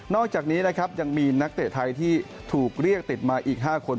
อกจากนี้นะครับยังมีนักเตะไทยที่ถูกเรียกติดมาอีก๕คน